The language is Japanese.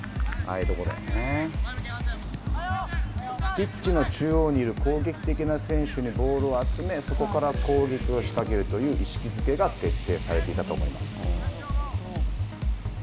ピッチの中央にいる攻撃的な選手にボールを集め、そこから攻撃を仕掛けるという意識づけが徹底されていたと思います。